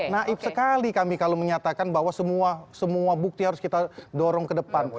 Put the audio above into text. naib sekali kami kalau menyatakan bahwa semua bukti harus kita dorong ke depan